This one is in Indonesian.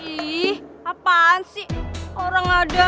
nih apaan sih orang ada